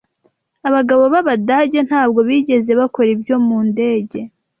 abagabo b'Abadage ntabwo bigeze bakora ibyo mu ndege